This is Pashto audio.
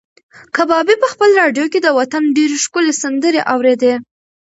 کبابي په خپله راډیو کې د وطن ډېرې ښکلې سندرې اورېدې.